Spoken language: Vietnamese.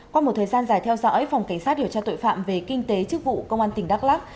qua một thời gian dài theo dõi phòng cảnh sát điều tra tội phạm về kinh tế chức vụ công an tỉnh đắk lắc